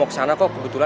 roman anak kita